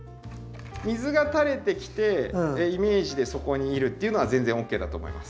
水がたれてきてイメージでそこにいるっていうのは全然ＯＫだと思います。